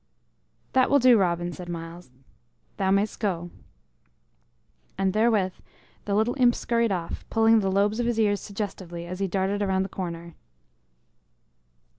"That will do, Robin," said Myles. "Thou mayst go." And therewith the little imp scurried off, pulling the lobes of his ears suggestively as he darted around the corner.